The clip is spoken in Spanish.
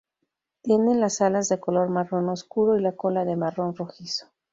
Tienen las alas de color marrón oscuro y la cola de marrón rojizo.